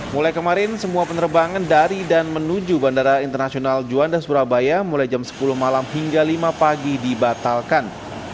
mulai kemarin semua penerbangan dari dan menuju bandara internasional juanda surabaya mulai jam sepuluh malam hingga lima pagi dibatalkan